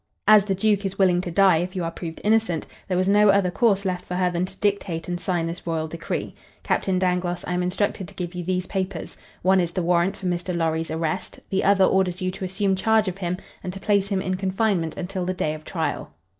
As the Duke is willing to die if you are proved innocent, there was no other course left for her than to dictate and sign this royal decree. Captain Dangloss, I am instructed to give you these papers. One is the warrant for Mr. Lorry's arrest, the other orders you to assume charge of him and to place him in confinement until the day of trial."